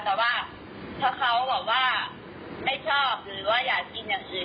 แต่ว่าถ้าเขาแบบว่าไม่ชอบหรือว่าอยากกินอย่างอื่น